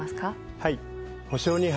はい。